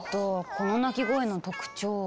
この鳴き声の特徴は。